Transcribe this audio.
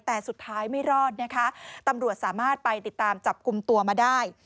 แต่สุดท้ายไม่รอดนะคะตำรวจสามารถไปติดตามจับกลุ่มตัวมาได้